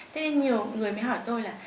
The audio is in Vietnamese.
thế nên nhiều người mới hỏi tôi là